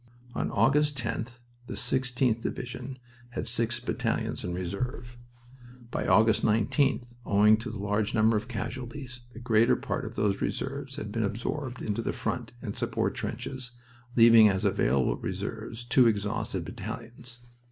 On August 10th the 16th Division had six battalions in reserve. By August 19th, owing to the large number of casualties, the greater part of those reserves had been absorbed into the front and support trenches, leaving as available reserves two exhausted battalions.